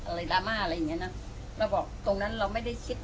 ดราม่าอะไรอย่างเงี้นะเราบอกตรงนั้นเราไม่ได้คิด